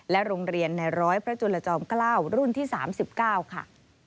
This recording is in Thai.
โรงเรียนในร้อยพระจุลจอม๙รุ่นที่๓๙ค่ะ